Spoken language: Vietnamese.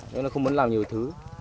nó không muốn làm nhiều thứ